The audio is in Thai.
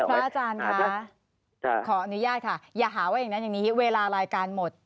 พระอาจารย์ค่ะขออนุญาตค่ะอย่าหาว่าอย่างนั้นอย่างนี้เวลารายการหมด